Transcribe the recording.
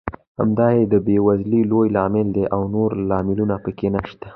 همدا یې د بېوزلۍ لوی لامل دی او نور لاملونه پکې نشته.